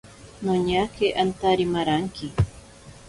Noñake antari maranki.